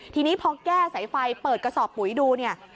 ทีนี้พอแก้สายไฟเปิดกระสอบปุ๋ยดูเนี่ย